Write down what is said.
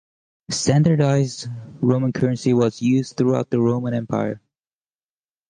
Standardized Roman currency was used throughout the Roman Empire.